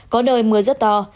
có nơi mưa rất to